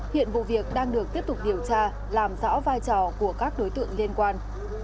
hiện vụ việc đang được tiếp tục điều tra làm rõ vai trò của các đối tượng liên quan